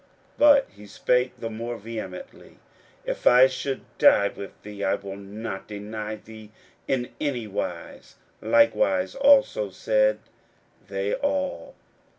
41:014:031 But he spake the more vehemently, If I should die with thee, I will not deny thee in any wise. Likewise also said they all.